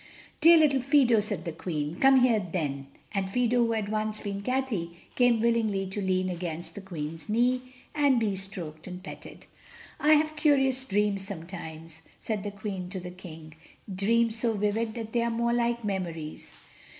"Dear little Fido," said the Queen, "come here then," and Fido, who had once been Cathay, came willingly to lean against the Queen's knee and be stroked and petted. "I have curious dreams sometimes," said the Queen to the King, "dreams so vivid that they are more like memories."